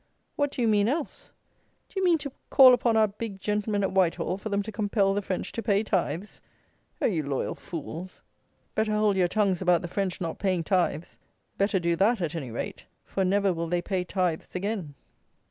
What do you mean else? Do you mean to call upon our big gentlemen at Whitehall for them to compel the French to pay tithes? Oh, you loyal fools! Better hold your tongues about the French not paying tithes. Better do that, at any rate; for never will they pay tithes again.